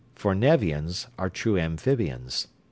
For Nevians are true amphibians.